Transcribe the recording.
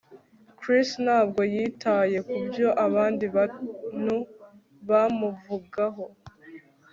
Chris ntabwo yitaye kubyo abandi bantu bamuvugaho